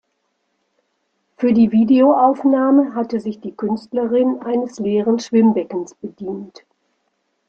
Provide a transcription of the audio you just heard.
Für die Videoaufnahme hatte sich die Künstlerin eines leeren Schwimmbeckens bedient.